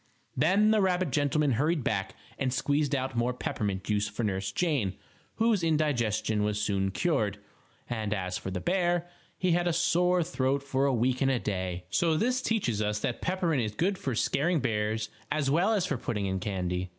Then the rabbit gentleman hurried back and squeezed out more peppermint juice for Nurse Jane, whose indigestion was soon cured. And as for the bear, he had a sore throat for a week and a day. So this teaches us that peppermint is good for scaring bears, as well as for putting in candy.